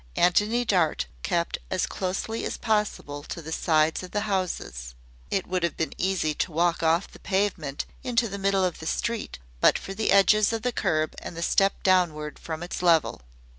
Antony Dart kept as closely as possible to the sides of the houses. It would have been easy to walk off the pavement into the middle of the street but for the edges of the curb and the step downward from its level.